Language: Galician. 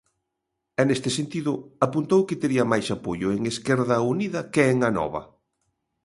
E neste sentido, apuntou que tería máis apoio en Esquerda Unida que en Anova.